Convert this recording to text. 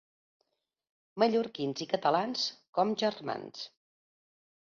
Mallorquins i catalans, com germans.